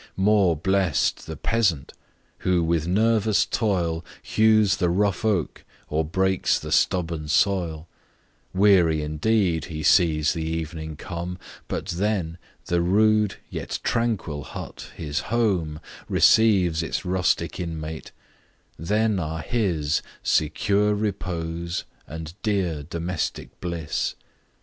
More bless'd the peasant , who, with nervous toil Hews the rough oak, or breaks the stubborn soil: Weary, indeed, he sees the evening come, But then, the rude, yet tranquil hut, his home, Receives its rustic inmate; then are his, Secure repose, and dear domestic bliss.